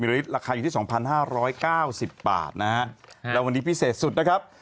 และวันนี้พิเศษสุดนะครับ